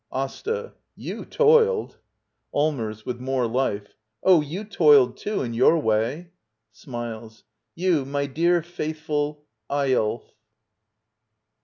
Asta. You toiled. Allmers. [With more life.] Oh, you toiled too, in your way. [Smiles.] You, my dear, faith ful— Eyolf.